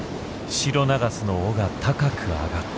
シロナガスの尾が高く上がった。